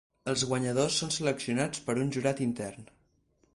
Els guanyadors són seleccionats per un jurat intern.